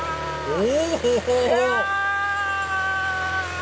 お！